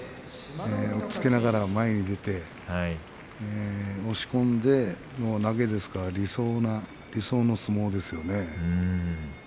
押っつけながら前に出て押し込んで、投げですから理想の相撲ですよね。